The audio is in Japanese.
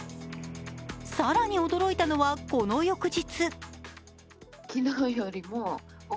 更に驚いたのは、この翌日。